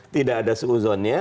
tidak ada seuzonnya